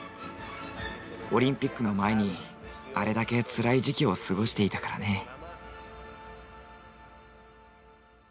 オリンピックの前にあれだけつらい時期を過ごしていたからね。